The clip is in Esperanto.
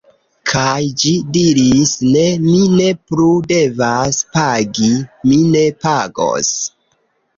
Kaj ĝi diris: ne, mi ne plu devas pagi, mi ne pagos.